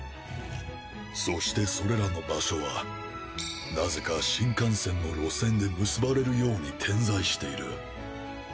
そしてそれらの場所はなぜか新幹線の路線で結ばれるように点在している。